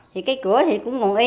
thì cái cửa thì cũng ngồi y